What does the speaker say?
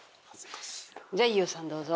じゃあ飯尾さんどうぞ。